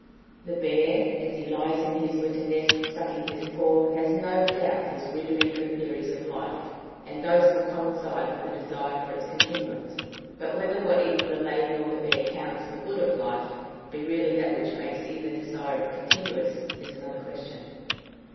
The bear as he lies in his winter nest, sucking his paw, has no doubt his rudimentary theories of life, and those will coincide with a desire for its continuance; but whether what either the lady or the bear counts the good of life, be really that which makes either desire its continuance, is another question.